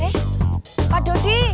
eh pak dodi